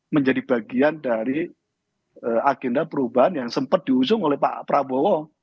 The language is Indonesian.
menjadi bagian dari agenda perubahan yang sempat diusung oleh pak prabowo dua ribu empat belas dua ribu sembilan belas